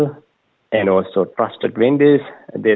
dan juga perusahaan yang berperan